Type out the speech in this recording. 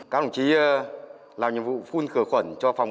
các đồng chí làm nhiệm vụ phun khử khuẩn cho phòng ba trăm linh tám